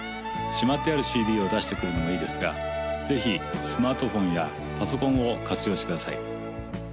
しまってあるＣＤを出してくるのもいいですがぜひスマートフォンやパソコンを活用してください